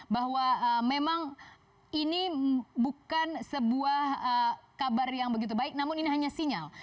bahwa memang ini bukan sebuah kabar yang begitu baik namun ini hanya sinyal